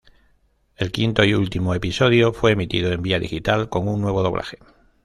El quinto y último episodio fue emitido en Vía Digital con un nuevo doblaje.